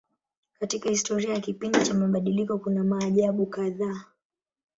Katika historia ya kipindi cha mabadiliko kuna maajabu kadhaa.